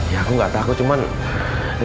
ya aku nggak takut cuman